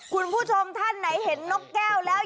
คุณผู้ชมท่านไหนเห็นนกแก้วแล้ว